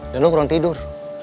dan lo kurang tidur